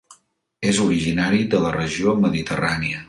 És originari de la regió mediterrània.